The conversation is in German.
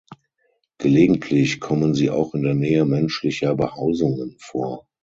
Gelegentlich kommen sie auch in der Nähe menschlicher Behausungen vor.